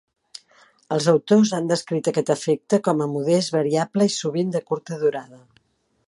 Els autors han descrit aquest efecte com a modest, variable i sovint de curta durada.